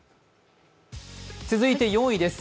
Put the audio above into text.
続いて４位です。